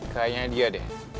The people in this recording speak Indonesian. kayaknya dia deh